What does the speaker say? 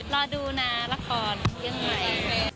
รอดูนะละครยังไง